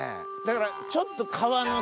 だからちょっと。